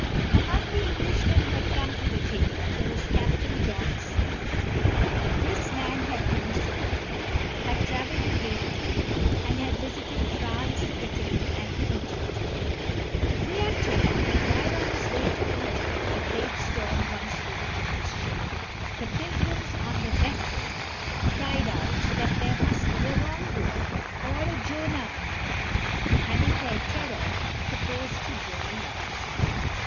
Among the Englishmen who had come to Virginia there was Captain John Smith. This man had been a soldier, had traveled a great deal, and had visited France, Italy, and E´gypt. We are told that while he was on his way to Egypt a great storm once overtook his ship. The pilgrims on the vessel cried out that there must be a wrongdoer, or a Jonah, among them, and in their terror proposed to draw lots.